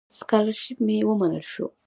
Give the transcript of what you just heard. سکالرشیپ مې ومنل شو.